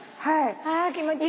あ気持ちいいね。